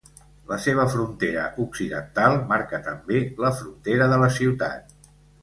La seva frontera occidental marca també la frontera de la ciutat.